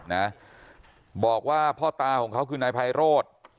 นะบอกว่าพ่อตาของเขาคือนายไพโรธ